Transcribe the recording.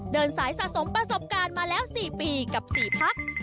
เดินสายสะสมประสบการณ์มาแล้ว๔ปีกับ๔พัก